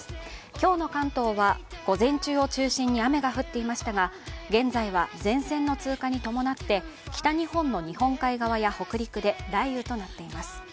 今日の関東は午前中を中心に雨が降っていましたが現在は前線の通過に伴って北日本の日本海側や北陸で雷雨となっています。